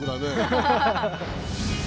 ハハハハ！